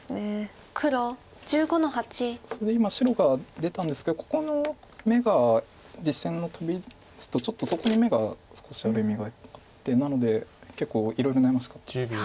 それで今白が出たんですけどここの眼が実戦のトビですとちょっとそこに眼が少しなので結構いろいろ悩ましかったんですけど。